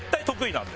「なんで」？